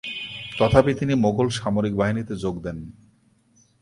তথাপি তিনি মোঘল সামরিক বাহিনীতে যোগ দেন।